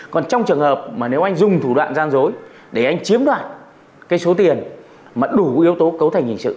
còn trong trường hợp mà nếu anh dùng thủ đoạn gian dối để anh chiếm đoạt cái số tiền mà đủ cái yếu tố cấu thành hình sự